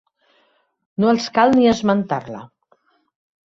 No els cal ni esmentar-la.